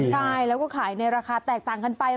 ใช่แล้วก็ขายในราคาแตกต่างกันไป